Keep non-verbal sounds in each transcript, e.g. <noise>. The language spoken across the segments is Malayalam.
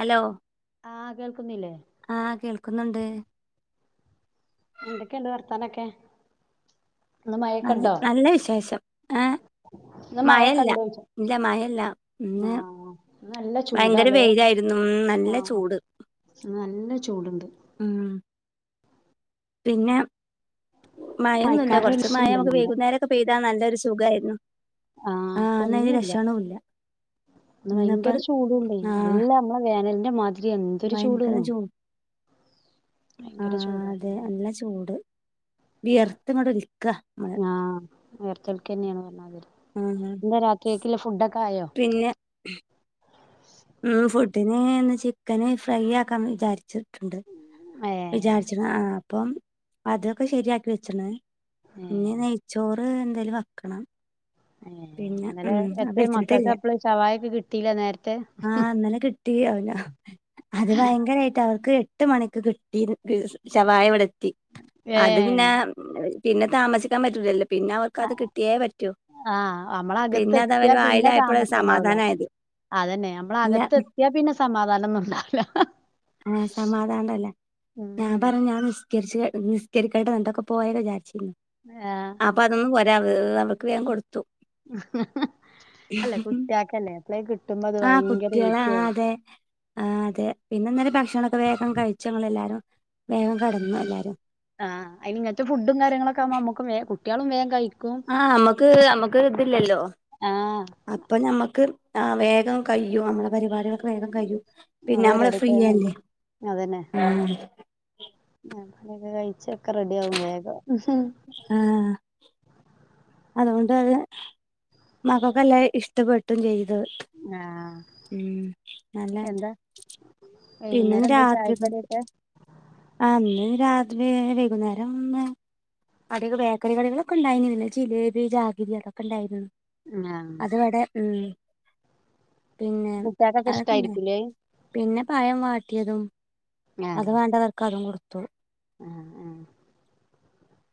ഹലോ ആഹ് കേൾക്കുന്നില്ലേ ആഹ് കേൾക്കുന്നുണ്ട്. എന്തൊക്കണ്ടു വർത്താനൊക്കെ ഇന്ന് മതി മഴയൊക്കെണ്ടോ നല്ല വിശേഷം ഏഹ് ഇന്ന് മായെ മഴല്ല കണ്ടോച്ച ഇല്ല മഴല്ല ഇന്ന് ആഹ് നല്ല ഭയങ്കര ചൂടാലേ വെയിലായിരുന്നു ഉം നല്ല ആഹ്. ചൂട് നല്ല ചൂടുണ്ട് ഉം പിന്നെ മയൊന്നില്ല മയക്കാറിന്റെ ഒരു കുറച്ച് മയ ലക്ഷണല്ല നമുക്ക് മണ്ട വൈകുന്നേര ക്കെ പെയ്താ നല്ലൊരു സുഖായിരുന്നു ആഹ് ഇന്നയ്ന് പ്പൊന്നുംല്ല ലക്ഷണൂല്ല ന്ന് ഭയങ്കര ഇന്നിപ്പം ചൂടുണ്ടെ ആഹ് നല്ല നമ്മ വേനലിന്റെ മാതിരി എന്തൊരു ഭയങ്കര ചൂട്ന്നോ ചൂ ഭയങ്കര ആഹ് ചൂടായിരുന്നു അതെ നല്ല ചൂട് വിയർത്തങ്ങട് ഒലിക്ക ആഹ് വിയർത്തെൽക്കെന്നെ <unintelligible> ഉം ഉം എന്താ രാത്രിക്കില്ല ഫുഡോക്കെ ആയോ പിന്നെ ഉം ഫുഡിനെന്ന് ചിക്കന് ഫ്രൈ ആക്കാൻ വിചാരിച്ചിട്ടുണ്ട് ഏഹ് വിചാരിച്ചണ് ആ അപ്പം അതൊക്കെ ശരിയാക്കി വെച്ചണ് ഏഹ് ഇനി നെയ് ചോറ് എന്തേലും വക്കണം ഏ ഇന്നലെ അത് എത്ര മക്കൾക്ക് വെച്ചിട്ടില്ല അപ്പള് ശവായക്ക കിട്ടില്ല നേരത്തെ ട്ടി ആവൂല അത് ഭയങ്കരായിട്ട് അവക്ക് എട്ട് മണിക്ക് കിട്ടിത് ശവായിവടെത്തി അത് പിന്നെ ഏഹ് പിന്നെ താമസിക്കാൻ പറ്റൂലല്ലോ പിന്നെ അവർക്കത് കിട്ടിയേ പറ്റൂ ആഹ് പിന്നെ അത് അവര് നമ്മളകത്തെത്തിയാ പിന്നെ വായിലായപ്പോഴ താമസുണ്ടാവൂല സമാധാനായത് അതന്നെ ഇല്ല നമ്മളകത്തെത്തിയാ പിന്നെ സമാധാനംന്നുംണ്ടാവില്ല ആഹ് സമാധാനല്ല ഞാൻ ഉം പറഞ്ഞാൻ നിസ്കരിച്ച നിസ്കരിക്കേണ്ട എന്തക്കെ പോയെ വിചാരിച്ചിരുന്നു ആഹ് അപ്പൊ അതൊന്നും പോരാ അവക്ക്ൻ കൊടുത്തു ണ്ടാക്കല്ലേ ത്രേം കിട്ടുന്നത് ആഹ് കുട്ടികളെ ആ അതെ ആ അതെ പിന്നന്നാരേ ഭക്ഷണൊക്കെ വേഗം കഴിച്ചങ്ങളെല്ലാരും വേഗം കടന്നു എല്ലാരും ആഹ് അയിനിങ്ങനത്തെ ഫുഡും കാര്യങ്ങളക്കാകുമ്പ നമുക്കും വേ കുട്ടികളും വേഗം കഴിക്കും ആഹ് അമ്മക്ക് അമ്മക്ക് ഇതില്ലല്ലോ ആഹ് പ്പൊ ഞമ്മക്ക് ആ വേഗം കഴിയൂ പരിപാടികൾക്കെ വേഗം കഴിയും നമ്മളെ പിന്നമ്മള് പരിപാടിയൊക്കെ വേം ഫ്രീയല്ലേ കഴിക്കും ക്കെ കഴിച്ചൊക്കെ റെഡിയാകും വേഗം ആഹ് അതുകൊണ്ടത് മകൊക്കെല്ലേ ഇഷ്ടപ്പെട്ടില്ലേ ഇത് ആഹ് ഉം നല്ല എന്താ പിന്നന്ന് <unintelligible> വൈകുന്നേരം എന്താ രാത്രി ചായക്കടിയൊക്കെ ആ അന്ന് രാത്രി വൈകുന്നേരം അടൊക്കെ ബേക്കറികളിലൊക്കിണ്ടായിരുന്നില്ല ജിലേബി ജാഗിരി അതക്കിണ്ടായിരുന്നു ആഹ് അതിവടെ ഉം പിന്നെ കുട്ട്യാക്കൊക്കെ അതങ്ങനെ ഇഷ്ടായിരിക്കൂലേ പിന്നെ പഴം വാട്ടിയതും അത് വേണ്ടവർക്ക് അതും കൊടുത്തു ആ ആ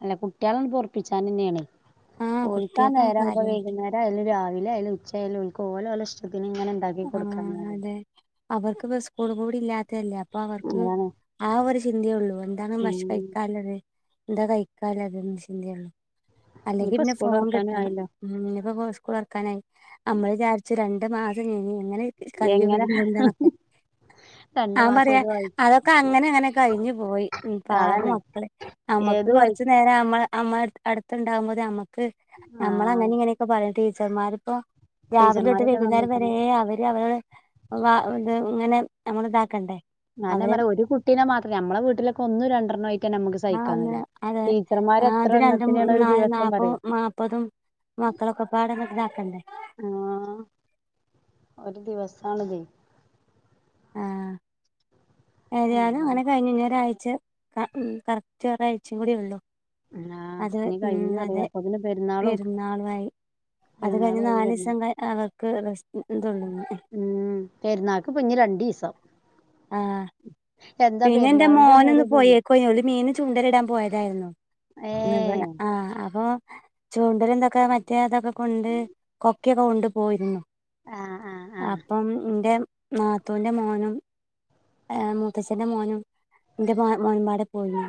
അല്ല കുട്ടികളെ പൊറപ്പിച്ചൻന്നെയാണ് ആഹ് ഓൽക്കാ കുട്ടികൾക്കാണ് നേരാകുമ്പോ കാര്യായിട്ട് വൈകുന്നേരായാലും രാവിലെ അയാലും ഉച്ചയായാലും ഓല് ഓളുടെ ഇഷ്ടത്തിന് ഇങ്ങനെ നിക്കും. ആ അതെ അവർക്ക് ഇപ്പം സ്കൂൾ കൂടി ഇല്ലാത്ത അല്ലേ അപ്പൊ അവർക്ക് അതാണ് ആ ഒരു ചിന്തയേള്ളു എന്താണ് ഭക്ഷ ഉം കഴിക്കാള്ളത് എന്താ കഴിക്കാള്ളത് എന്ന ചിന്തയേള്ളു. അല്ലെങ്കി ഇനിയിപ്പോ പിന്നെ സ്കൂൾ ഫോൺ തൊറക്കാനും കിട്ടണം ആയല്ലോ ഇനി ഇപ്പോ പൊ സ്കൂൾ തുറക്കാനായി നമ്മള് വിചരിച്ചു രണ്ട് മാസ് - - <unintelligible> എങ്ങനെ ഇവരിം കൊണ്ട്ന്നൊക്കെ രണ്ടു ആ മാസം പറയാ ഏത് വഴി അതൊക്കെ അങ്ങനെ അങ്ങനെ കഴിഞ്ഞ് പോയി പാവം അതന്നെ മക്കള്. നമ്മുക്ക് ഏത് വഴി കൊറച്ചു നേരം നമ്മൾ നമ്മൾ അടുത്തുണ്ടാകുമ്പോ നമ്മക്ക് നമ്മള് ആഹ് അങ്ങനെ ഇങ്ങനെയൊക്കെ പറയും ടീച്ചർമാരിപ്പോ രാവിലെ തൊട്ട് ടീച്ചർമാരൊക്കെ വൈകുന്നേരം സമ്മതിക്കണം വരെ അവര് അവര വ ഇത് ഇങ്ങനെ നമ്മൾ ഇതാക്കണ്ടേ ഞാന്നരം അവര് പറയും ഒരു കുട്ടിനെ മാത്രം നമ്മളെ വീട്ടിലൊക്കെ ഒന്ന് രണ്ടെണ്ണം ആയി ആ ഒന്ന് അതെ ആഹ് എത്ര അത് രണ്ട് എണ്ണത്തിനാണ് ഒരു നാല് ദിവസം നാപ്പോ പറയും നാപ്പതും മക്കളൊക്കെ പാടന്നൊക്ക ഇതാക്കണ്ടേ ആഹ് ഒരു ദിവസാണിതേ ആഹ് ഏതാലും ആഹ് അങ്ങനെ കഴിഞ്ഞ് ഇനി ഒരാഴ്ച ക ഉം കറക്റ്റ് ഒരാഴ്ചയും കൂടി ഉള്ളൂ. അത് ഇനി കഴിഞ്ഞു ഉം പറയാ അതെ അപ്പൊത്തിന് പെരുന്നാളും പെരുന്നാളു ആയി അത് പെരുന്നാളും കഴിഞ്ഞ് ആയി വരുന്നു നാലീസം കൈ അവർക്ക് റെസ്റ്റ് ന് തുള്ളുന്നു ഉം പെരുന്നാൾക്ക് ഇപ്പൊ ഇഞ് രണ്ടീസം. ആഹ് എന്താ പിന്നെ എന്റെ പെരുന്നാളിന്റെ ഒന്നും മോന് ന്ന് ഒരിതില്ല പൊയേക്കോയി ഓല് മീന് ചൂണ്ടേലിടാൻ പോയതായിരുന്നു. ഏ <unintelligible> ആഹ് അപ്പൊ ചൂണ്ടല്ണ്ടാക്കാൻ മറ്റേ അതൊക്കെ കൊണ്ട് കൊക്കിയൊക്കെ കൊണ്ട് പോയിരുന്നു ആ ആ ആ അപ്പം എന്റെ നാത്തൂന്റെ മോനും ഏ മുത്തച്ഛന്റെ മോനും ന്റെ മോൻമ്പാടെ പോയിരുന്നു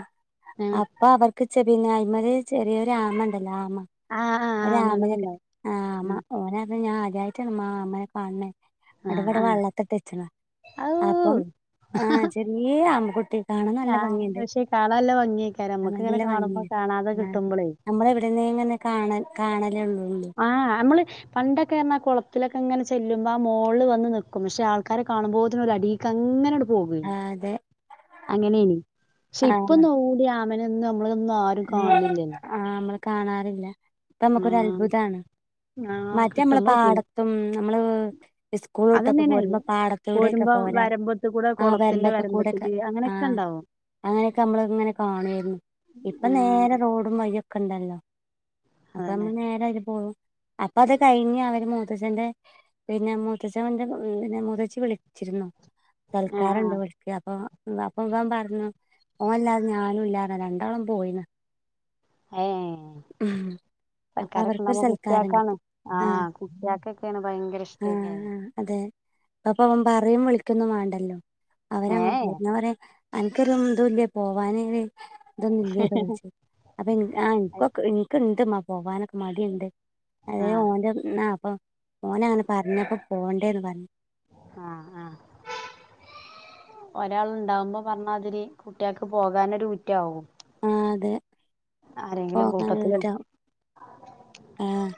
ആ അപ്പൊ അവർക്ക് <unintelligible> അതിമ്മല് ചെറിയൊരു ആമ ഇണ്ടല്ലോ ആമ ആ ആ ആ ഒരാമനെ കിട്ടി മകളുണ്ടാവും ആഹ് ആമ ഓന് അർഞ്ഞ് ഞാൻ ആദ്യായിട്ടാണുമ്മാ ആമേനെ കാണണേ ആ അട് വിടെ ആ ആ വെള്ളത്തിട്ടേച്ചണ്. ഔ അപ്പം യ്യേ ആമകുട്ടി ആഹ് പക്ഷേ കാണല്ല ഭംഗിയേക്കാര നമ്മക്കിങ്ങനെ കാണുമ്പോ കാണാതെ കിട്ടുമ്പോളേ നമ്മള് ഇവിടുന്നേ ഇങ്ങനെ കാണ കാണലേ ഉള്ളൂ ആഹ് നമ്മള് പണ്ടൊക്കെ എന്നാ കുളത്തിലക്കെ ഇങ്ങനെ ചെല്ലുമ്പോൾ ആ മോളിൽ വന്ന് നൽക്കും പക്ഷെ ആൾക്കാരെ കാണുമ്പോത്തിന്‌ ഒര് അടീക്ക അങ്ങനെ എടുക് പോകുവേ ആഹ് അതെ അങ്ങനയാണ് ക്ഷെ ഇപ്പൊ ആഹ് നോ <unintelligible> അങ്ങനൊന്നും നമ്മളൊന്നും ആരും കാണണില്ലല്ലോ ആഹ് നമ്മള് കാണാറില്ല ഇപ്പ ആ നമക്കൊര അത്ഭുതാണ്. ആ മറ്റേ നമ്മള് കിട്ടുമ്പോ പിന്നെ പാടത്തും നമ്മള് സ്കൂള് വിട്ടൊക്കെ അതന്നെയാണ് പോരുമ്പോ പാടത് ത്തൂടെക്കെ പോരുമ്പോ പോരാ വരമ്പത്ത് കൂടെ ആ കുളത്തിന്റെ വരമ്പത്തക്കെകൂടെക്കെ വരമ്പത്തില് അങ്ങനെയൊക്കെ ആഹ് ഉണ്ടാവും അങ്ങനെയൊക്കെ നമ്മൾ ഇങ്ങനെ കാണു ആയിരുന്നു ഇപ്പ ആഹ് നേരെ റോഡും വഴിയൊക്കെ ഇണ്ടല്ലോ. അപ്പൊ അതന്നെ നമ്മ നേരെ അതിലെ പോകും അപ്പൊ അത് കഴിഞ്ഞ് അവര് മൂത്തഛന്റെ പിന്നെ മൂത്തച്ചന്റെ പ് പിന്നെ മൂത്തച്ചി വിളിച്ചിരുന്നു. ആഹ് സൽക്കാരണ്ട് ആഹ് വിളിക്കാ അപ്പൊ അപ്പൊ ഇവൻ പറഞ്ഞു ഓൻല്ലാ തെ ഞാനും ഇല്ലാ <unintelligible> രണ്ടാളും പോയിന അയേ അപ്പൊ സൽക്കാരൊക്കെ അവർക്കൊരു ഇണ്ടാകുമ്പോ സൽക്കാരം കുട്ട്യാക്കാണ് കിട്ടി ആഹ് കുട്ടിയക്കൊക്കെയാണ് ഭയങ്കര ഇഷ്ടക്കേ അപ്പം അവൻ പറയും വിളിക്കുന്നും വേണ്ടല്ലോ അവരങ്ങ് ഏഹ് പോവും ഞാ പറയാ അനിക്കൊരു ഇതുല്ല പോവാന് ഇതൊന്നും ഇല്ലേ ന്ന് ചോച്ചു അപ്പൊ ഇൻ ആഹ് ഇൻക്കൊക്കെ എൻക്കുണ്ട്മ്മാ പോകാനൊക്കെ മടിണ്ട്. അതെ ആഹ് ഓന്റെന്നാപ്പൊ ഓനങ്ങനെ പറഞ്ഞപ്പോ പോണ്ടേനു പറഞ്ഞ് ആഹ് ആഹ് ഒരാളുണ്ടാവുമ്പോ പറഞ്ഞാതിരി കുട്ടിയാക്ക് പോകാനൊരു ഊറ്റാകും ആഹ് അതെ ആരെങ്കിലും കൂട്ടത്തില് ആഹ്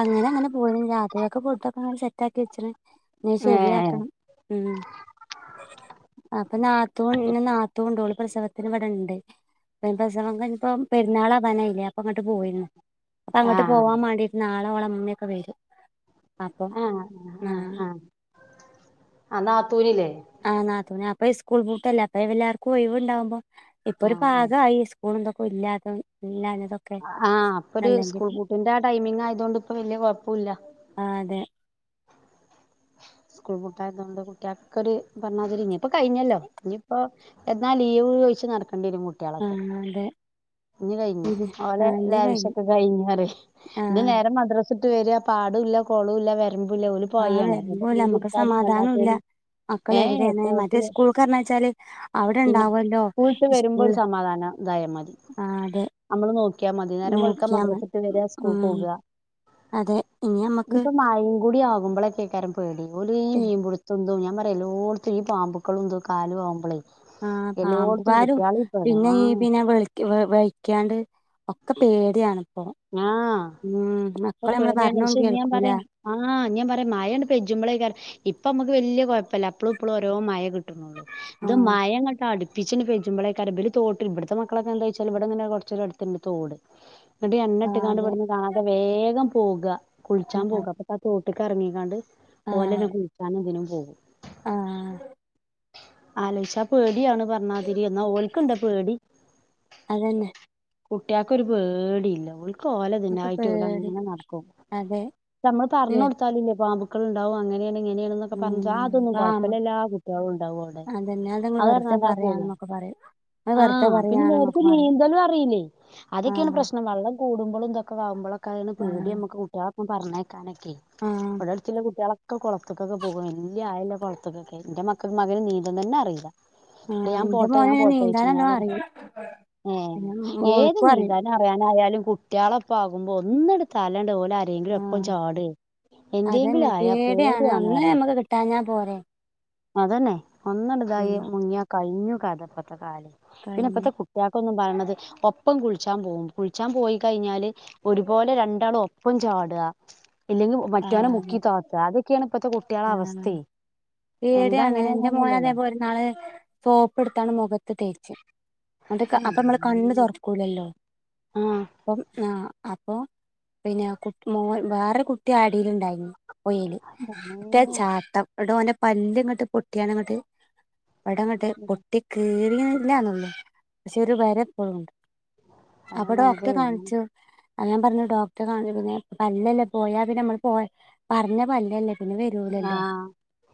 അങ്ങനെ അങ്ങനെ പോയി രാത്രികൊക്കെ പോയിട്ടൊക്കെനം സെറ്റ് ആക്കി വെച്ചണ് എനി ഏഹ് ശരിയാക്കണം മ് അപ്പൊ നാത്തുൽ നാത്തൂണ്ടോള് പ്രസവത്തിനിവിടെണ്ട് എനി പ്രസവം കഴിഞ്ഞപ്പോ പെരുന്നാളാവാനായില്ലേ അപ്പൊ ഇങ്ങട്ട് പോയിരുന്നു അപ്പ അങ്ങട്ട് ആഹ് പോവാൻ വേണ്ടിട്ട് നാളെ ഓളമ്മൊയൊക്കെ വരും അപ്പം ആഹ് ആഹ് ഞാന് ആഹ് ആഹ് നാത്തൂനില്ലേ? ആ നാത്തൂന് അപ്പൊ ഇസ്കൂള്പൂട്ടല്ലേ അപ്പല്ലാവർക്കും ഒയിവുണ്ടാവുമ്പോ ഇപ്പൊ ഒരു ആഹ് പാകായി സ്കൂളിതൊക്കെ ഇല്ലാതെ ഇല്ലാഞ്ഞതൊക്ക് ആഹ് അപ്പൊ ഒരു സ്കൂൾ പൂട്ടിന്റെ ആ ടൈമിങ് ആയതോണ്ട് ഇപ്പൊ വല്യ കൊഴപ്പോല്ല ആഹ് അതെ സ്കൂൾ പൂട്ടായതുകൊണ്ട് കുട്ട്യാക്കൊരു പറഞ്ഞാതിരി ഇനിപ്പൊ കഴിഞ്ഞല്ലോ ഇനിയിപ്പോ എന്നാ ലീവ് ചോയിച്ച് നടക്കണ്ടി വെരും കുട്ട് ആഹ് അതെ ഇനി കഴിഞ്ഞു ഇത് ആ ഓലെ ഇനി കഴിഞ്ഞു ലാവിഷൊക്കെ കഴിഞ്ഞീ പറയാ ആ ഇനി നേരെ മദ്രസ പിടിച്ച്ട്ട് വെരാ പാടോല്ല കൊളോല്ല വരമ്പുല്ല ഫുള്ള് ആ പൊഴയാണ് വരുമ്പോല മീൻ നമ്മുക്ക് പിടിച്ചാനും സമാധാനം ഇല്ല അല്ലാത്തോലും മക്കൾ ഏഹ് എവിടെയാണ് മറ്റേ പോക്ക്ലേ സ്കൂൾ കാരണച്ചാല് അവിടെ പിന്നെ ഉണ്ടാവല്ലോ സ്കൂളിട്ട് വെരുമ്പോരു സമാധാനാ ഇതായ മതി ആഹ് അതെ നമ്മള് നോക്കിയാ മതി നേരം വെളുക്കാ നോക്കിയാ മദ്രസ്സ മതി വിട്ട് വരാ സ്കൂൾ ഉം പോകാ അതെ ഇനി നമ്മക്ക് ഇനിപ്പൊ മഴയും കൂടി ആകുമ്പോളക്കെ <unintelligible> പേടി ഓലീ മീൻ പിടുത്തോ ഇതും ഞാൻ പറയാ എല്ലോടത്തും ഈ പാമ്പക്കളും ഇത് <unintelligible> ആവുമ്പളേ ആഹ് എല്ലോടത്തും പാമ്പുകാരും കുട്ടികള് ഈ പെടാ പിന്നെ ഈ ആഹ് പിന്നെ വിളി ക്ക് വ വയിക്കാണ്ട് ഒക്കെ പേടിയാണിപ്പോ ആഹ് ഉം ഇപ്പൊ മക്കള് നമ്മള് പേടിയാണ് പറഞ്ഞോ പക്ഷെ ഞാൻ കേൾക്കൂല പറയാ ആഹ് ഞാ പറയാ മാഴയാണ്ട് പെഞ്ചുമ്പളേക്കാരം ഇപ്പ അമ്മക്ക് വെല്യ കൊഴപ്പല്ല അപ്പളും ഇപ്പളും ഓരോ മഴ കിട്ടുന്നുള്ളു ആ ഇത് മയങ്ങോട്ട് അടുപ്പി <unintelligible> പെഞ്ചുമ്പളേക്കാരം ഇബല് തോട്ടിൽ ഇവിടുത്തെ മക്കളൊക്കെ എന്താ വെച്ചാല് ഇവിടങ്ങനെ കുറച്ചൂടടുത്തുണ്ട് തോട് ഇന്നിട്ട് എണ്ണ ആ ഇട്ട്ണ്ടാണ്ട് അതെ ഇവിട്ന്ന് കാണാതെ വേഗം പോകാ കുളിച്ചാൻ പോകാ അപ്പ ആ തോട്ട്ക്കെറങ്ങിങ്ങാണ്ട് ഓലെന്നെ കുളിക്കാനും ഇതിനും പോകും ആഹ് ആലോയിച്ചാ പേടിയാണ് പറഞ്ഞാതിരി എന്നാ ഓൽക്ക്ണ്ടാ പേടി അതന്നെ കുട്ട്യാക്കൊരു പേടില്ലാ ഓൽക്ക് ക്ക് ഒക്കെ ഓലതിനായിട്ട് പേടി ഓലങ്ങ് നടക്കും അതെ നമ്മള് പറഞ്ഞ് കൊടു കാലില്ലേ പാമ്പുക്കള് ഇണ്ടാവും അങ്ങനെയാണ് ഇങ്ങനെയാണ് ഇതൊക്കെപറഞ്ഞിറ്റും ഉം അതൊന്നും പാമ കൊഴപ്പില്ല എല്ലാ കുട്ടികളും ഇണ്ടാവു അവിടെ അതന്നെ നിങ്ങള് അത് വെറുതെ പറഞ്ഞാണ്ടാ പോവാ പറയാണെന്നൊക്കെ പറയും അത് വെറുതെ ആഹ് പിന്നെ പറയാണെന്നൊക്കെ <unintelligible> പറയും നീന്തലും അറിയില്ലേ അതൊക്കെയാണ് ആഹ് പ്രശ്നം വെള്ളം കൂടുമ്പളും ഇതൊക്കെ ആവുമ്പളെക്കെയാണ് പേടി ആഹ് നമ്മക്ക് കുട്ടിയാളെ പറഞ്ഞയക്കാ കാണക്കെ ആഹ് ഇവിടെ അടുത്തുള്ള കുട്ടിയാളാ ഒക്കെ കൊളത്ത്ക്കൊക്കെ പോവും വെല്യ ആയള്ള കൊളത്ത്ക്കൊക്കെ ഇന്റെ മക്കൾക്ക് മകന് നീന്തം തന്നെ അറിയില്ല ട്ട് ആഹ് ഞാൻ എന്റെ പോട്ടെ മോന് ഞാൻ പിന്നെ പോട്ടെ ചോയിച്ചും ഞാൻ നീന്താനല്ലോ പറ അറിയും ഏഹ് പിന്നെ ഏത് മോൾക്കും അറിയും നീന്താനും അറിയാനായാലും കുട്ടിയാളൊപ്പാകുമ്പോ ഒന്ന്ട്തലേണ്ട് ഓലെ ഇതെങ്കിലും ഒപ്പം ആഹ് ചാടെ എന്തേങ്കിലും ആയാ പേടിയാണ് പറയാ ട്ടാഞ്ഞാ പോരെ അതന്നെ ഒന്നട്തായി ഉം മുങ്ങ്യാ കയിഞ്ഞു കഥ ഇപ്പത്തെ കാലം പിന്നെ കഴിഞ്ഞു ഇപ്പത്തെ കുട്ട് കുട്ട്യാക്കൊന്നും പറയണത് ഒപ്പം കുളിച്ചാൻ പോകും കുളിച്ചാൻ പോയി കഴിഞ്ഞാല് ഒരുപോലെ രണ്ടാളും ഒപ്പം ചാടാ ഇല്ലെങ്കിൽ മറ്റോനെ ആഹ് അതെ മുക്കി താത്താ അതൊക്കെയാണ് ഇപ്പത്തെ കുട്ടിയാളെ ആഹ് അവസ്ഥയെ എന്താ പേടിയാണ് ന്റെ മോന് അങ്ങനെയൊന്നുമില്ലല്ലോ അതേപോലെ ഇന്നാള് സോപ്പെട്താണ്ട് മുഖത്ത് തേച്ച് ഇന്നട്ട് ക് അപ്പൊ നമ്മള് കണ്ണ് തൊറക്കൂലല്ലോ അപ്പം ആഹ് അപ്പം പിന്നെ കുട്ട് മോ വേറൊരു കുട്ടി ആടീല്ണ്ടായിന് അതെന്നേ ട്ടം എടോ ഓന്റെ പല്ല് ഇങ്ങട്ട് പൊട്ടിയാണ്ങ്ങട്ട് ഇവിടങ്ങട്ട് പൊട്ടി കീറിണില്ലാന്നുള്ളൂ പക്ഷെ ഒരു വര ഇപ്പയുണ്ട് അപ്പോ ഡോക്ടറെ കാണിച്ചു അത് ഞാൻ പറഞ്ഞു ഡോക്ടറെ കാണു പിന്നെ പല്ലല്ലെ പോയാ പിന്നെ നമ്മള് പോയ പറഞ്ഞ പല്ലല്ലേ പിന്നെ വരൂലല്ലോ ആഹ്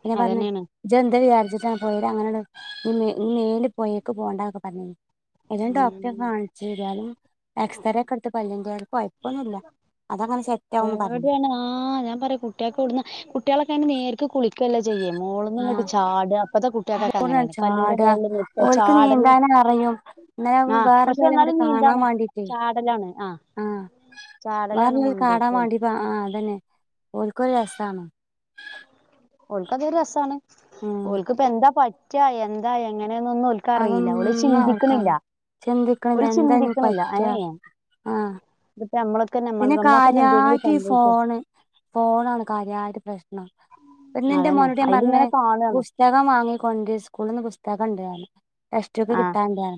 പിന്നെ പറഞ്ഞ് അതന്നെയാണ് ഇജ്ജ് എന്താ വിചാരിച്ചിട്ടാണ് പോയേല് അങ്ങനെയട് ഇ ഇനി മേലില് പോയേക്ക് പോണ്ടന്നൊക്കെ പറഞ്ഞിനി അയ്ല് ഞാൻ ഡോക്ടറെ ഉം കാണിച്ച് ഏതായാലും എക്സ്റെ ഒക്കെ എടുത്തപ്പോ പല്ലിന്റെ കുഴപ്പൊന്നുല്ല അതങ്ങനെ സെ പേടിയാണ് ആഹ് ഞാൻ പറയ് കുട്ട്യാക് എവിടുന്നാ കുട്ടികളൊക്കെ അയിന് നേരിക്ക് കുളി ക്കെല്ലാ ചെയ്യ് ആഹ് മോള്ന്ന്ങ്ങട്ട് ചാട ഇപ്പോത്തെ കുട്ടിയൾക്കൊക്കെ ന്നാണ് ങ്ങനെയാണ് കല്ലിന്റെ ചാടാ മോളില് ഓൽക്ക് ചാടലും നീന്താനും അറിയും ഇന്നലെ ആഹ് പക്ഷെ വേറെല്ലോലെ അങ്ങട്ട് എന്നാലും കാണാൻ നീന്താണ് വാണ്ടീട്ടേ ചാടലാണ് ആഹ് ചാടലാണ് മുന്തൂക്കം ഓല്ക് അപ്പൊ ആഹ് ആഹ് അതന്നെ ഓല്ക്കൊരു രസാണ് ഓൽക്ക് അതൊരു രസാണ് ഉം ഓൽ ഇപ്പൊ എന്താ പറ്റ എന്താ എങ്ങനെയാന്നൊന്നും ഓല്ക് ക്കറീല ഓലത് അതൊന്നും ചിന്തിക്ക്ണ്ല്ല അവൾക്കറി ചിന്തിക്കണില്ല ഓല് എന്താ ഇനി ചിന്തിക്ക്ണ്ല്ല പറ്റാ ഏഹ് ആഹ് ന്നിട്ട് നമ്മള് പിന്നെ കാര്യായിട്ട് ഈ ഫോണ് ഫോണാണ് കാര്യായിട്ട് പ്രശ്നം പെണ്ണിന്റെ അതന്നെ മോനോട് ഞാൻ പറഞ്ഞ് അയിലിങ്ങനെ കാണാണ് പുസ്തകം വാങ്ങിക്കൊണ്ടാര് സ്കൂളി നിന്ന് പുസ്തകം ഇണ്ട് പറഞ്ഞ് ടെക്സ്റ്റ്ബുക്ക്‌ ആഹ് കിട്ടാണ്ട്ന്ന്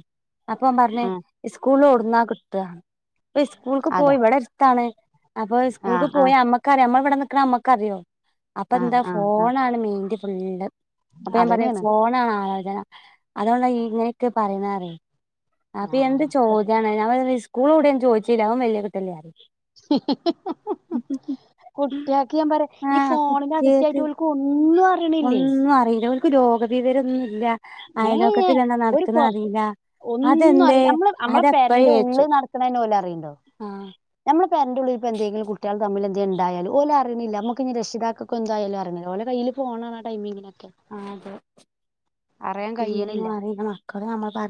അപ്പൊ ഓന് പറഞ്ഞ് ആഹ് സ്കൂൾന്ന് ഓടുന്നാ കിട്ട സ്കൂൾക്ക് പോയി അതാ ഇവിടെ എട്താണ് അപ്പൊ സ്കൂൾക്ക് ആഹ് പോയി ആഹ് അമ്മക്ക് ക്കാർയോ നമ്മള് ഇബടെ നിക്കണ നമ്മക്കറിയോ അപ്പൊ ആഹ് എന്താ ആഹ് ആഹ് ഫോണാണ് മെയിന്റ് ഫുള്ള് അപ്പൊ ഞാൻ പറയാ അതന്നെയാണ് ഫോണാണ് ആലോചന അതുകൊണ്ട ഇങ്ങനെയൊക്കെ പറയുന്നറിയെ അപ്പൊ എന്ത് ആഹ് ചോദ്യാണത് ഞാൻ പറയി സ്കൂള് ഇവുടെന്ന് ചോയ്ച്ചില്ല അവൻ വല്യ കുട്ടിയല്ലേ പറയും ഹ് ഹിഹി ഹിഹി കുട്ട്യാക് ഞാൻ പറയാ ഈ ആഹ് ഫോണിന് കുട്ടികൾക്ക് അഡിക്റ്റായിട്ട് ഓല്ക് ഒന്നും അറിയിണില്ല ഒന്നും അറിയില്ല ഓല്ക്ക് ലോക വിവരൊന്നുല്ല ഏഹ് ആയലോകത്തിലെന്താ ഒരു കൊറച്ച് നടക്കുണെന്നറിയില്ല അത് ഒന്നും എന്ത്യേ അറിയില്ല നമ്മള് നമ്മളെ പേരന്റെ അതെപ്പഴേച്ചു ഉള്ളിൽ ആഹ് ഞമ്മള് പെരന്റെ ഉള്ളിലിപ്പോ എന്തെങ്കിലും കുട്ട്യാള് തമ്മിൽ എന്തേ ഉണ്ടായാലും ഓല് അറിണില്ല നമുക്ക് ഇനി രക്ഷിതാക്കൊക്കെ എന്തായാലും അറീണില്ല ഓലെ കയ്യില് ഫോണാണാ ആ ടൈമിലൊക്കെ ആഹ് അതെ ഒന്നും കഴിയണില്ല അറീല മക്കള് നമ്മൾ പറഞ്ഞ്